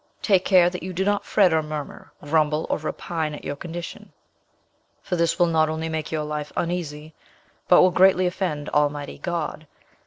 "Take care that you do not fret or murmur, grumble or repine at your condition; for this will not only make your life uneasy, but will greatly offend Almighty God.